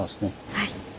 はい。